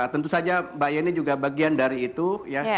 tentu saja mbak yeni juga bagian dari itu ya